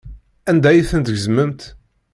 Anda ay tent-tgezmemt?